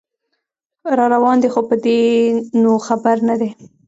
راروان دی خو په دې نو خبر نه دی